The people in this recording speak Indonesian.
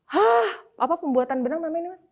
hah apa pembuatan benang mama ini mas